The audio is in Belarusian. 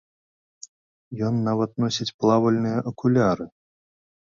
Ён нават носіць плавальныя акуляры.